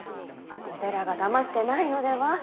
お寺が黙ってないのでは？